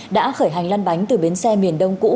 đã khởi hành lăn bánh từ bến xe miền đông cũ